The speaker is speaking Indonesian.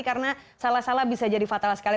karena salah salah bisa jadi fatal sekali